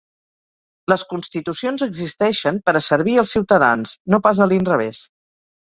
Les constitucions existeixen per a servir els ciutadans, no pas a l’inrevés.